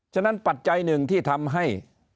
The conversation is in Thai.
ฉะปัจจัยหนึ่งที่ทำให้